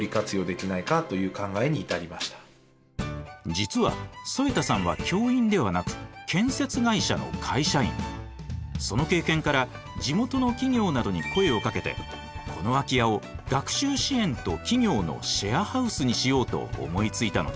実は添田さんはその経験から地元の企業などに声をかけてこの空き家を学習支援と企業のシェアハウスにしようと思いついたのです。